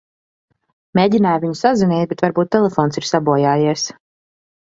Mēģināju viņu sazvanīt, bet varbūt telefons ir sabojājies.